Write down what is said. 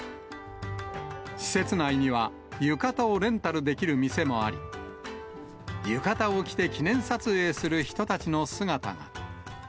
施設内には、浴衣をレンタルできる店もあり、浴衣を着て記念撮影する人たちの姿が。